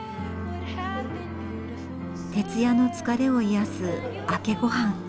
徹夜の疲れを癒やす明けごはん。